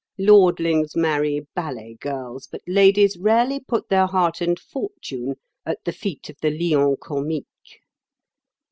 Lordlings marry ballet girls, but ladies rarely put their heart and fortune at the feet of the Lion Comique.